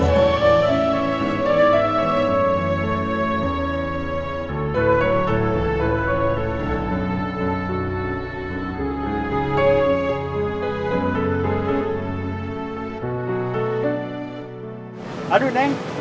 neng nanti aku nunggu